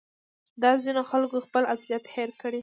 دا ځینو خلکو خپل اصلیت هېر کړی